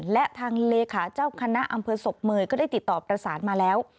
และทางเลขาเจ้าคณะอำเภอศพเมยก็ได้ติดต่อประสานมาแล้ว